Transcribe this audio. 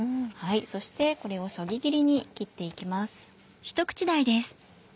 そしてこれをそぎ切りに切って行きます。